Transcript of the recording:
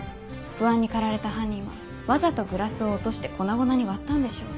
不安に駆られた犯人はわざとグラスを落として粉々に割ったんでしょう。